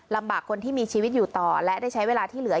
คนที่มีชีวิตอยู่ต่อและได้ใช้เวลาที่เหลือ